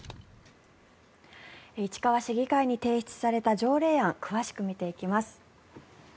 市川市議会に提出された条例案詳しく見ていきます。